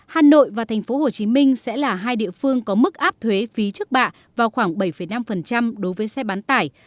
hà nội và tp hcm sẽ là hai địa phương có mức áp thuế phí trước bạ vào khoảng bảy năm đối với xe bán tải